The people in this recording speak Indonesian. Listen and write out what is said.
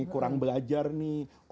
kurang belajar nih